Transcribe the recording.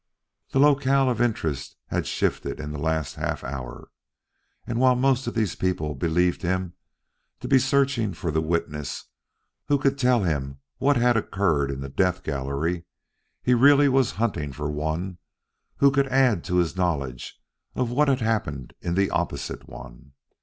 The locale of interest had shifted in the last half hour; and while most of these people believed him to be searching for the witness who could tell him what had occurred in the death gallery, he really was hunting for one who could add to his knowledge of what had happened in the opposite one.